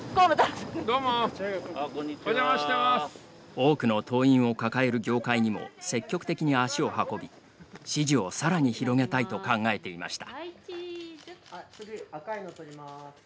多くの党員を抱える業界にも積極的に足を運び支持をさらに広げたいと考えていました。